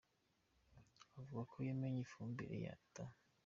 Avuga ko yamenye ifumbire ya D.